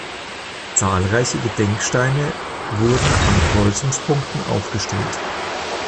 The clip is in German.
Zahlreiche Gedenksteine wurden an Kreuzungspunkten aufgestellt.